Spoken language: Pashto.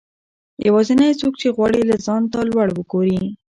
يوازنی څوک چې غواړي له ځانه تا لوړ وګورئ